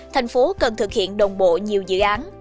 thành phố cần thực hiện đồng bộ nhiều dự án